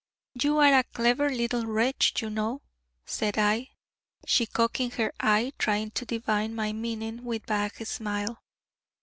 "You are a clever little wretch, you know," said I, she cocking her eye, trying to divine my meaning with vague smile.